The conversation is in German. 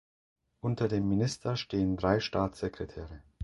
Unter dem Minister stehen drei Staatssekretäre.